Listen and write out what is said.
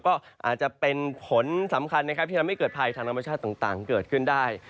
ก็อาจจะเป็นผลสำคัญนะครับที่ทำให้เกิดภัยทางธรรมชาติต่างเกิดขึ้นได้